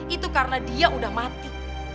itu karena dia udah mati